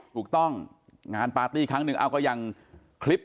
ถูกต้องงานปาร์ตี้ครั้งนึงเอาก็อย่างคลิป